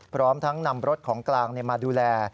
พร้อมทั้งนำรถของกลางมาดูแล